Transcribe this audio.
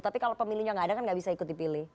tapi kalau pemilunya nggak ada kan nggak bisa ikut dipilih